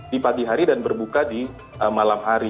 di pagi hari dan berbuka di malam hari